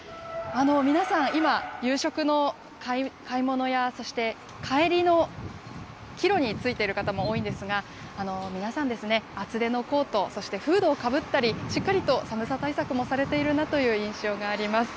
皆さん、今、夕食の買い物や、そして帰りの、帰路に就いている方も多いんですが、皆さん、厚手のコート、そしてフードをかぶったり、しっかりと寒さ対策もされているなという印象があります。